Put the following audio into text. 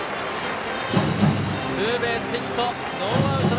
ツーベースヒット。